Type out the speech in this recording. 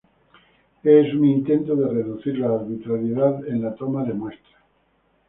Es un intento de reducir la arbitrariedad en la toma de muestras.